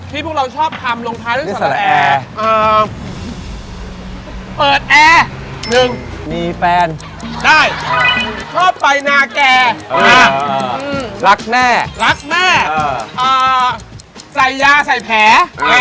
ที่พวกเราชอบทำลงท้ายด้วยสารแอร์เปิดแอร์๑ได้ชอบไปนาแก่รักแม่ใส่ยาใส่แผล